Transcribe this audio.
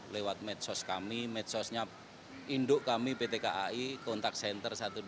lewat medsos kami medsosnya induk kami pt kai kontakt center satu ratus dua puluh satu